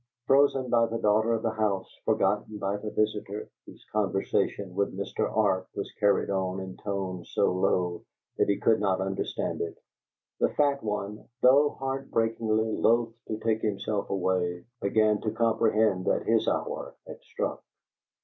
Frozen by the daughter of the house, forgotten by the visitor, whose conversation with Mr. Arp was carried on in tones so low that he could not understand it, the fat one, though heart breakingly loath to take himself away, began to comprehend that his hour had struck.